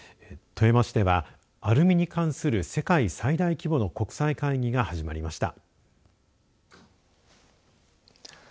富山市ではアルミに関する世界最大規模の国際会議が始まりました。